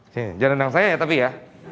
sini jangan dendam saya ya tapi ya